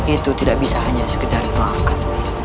itu tidak bisa hanya sekedar makan